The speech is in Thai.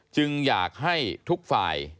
จึงอยากให้ทุกฝ่าย